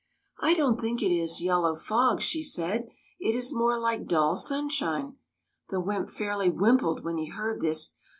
" I don't think it is yellow fog," she said ; "it is more like dull sunshine." The wymp fairly wympled when he heard this.